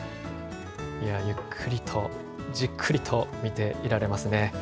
ゆっくりと、じっくりと見ていられますね。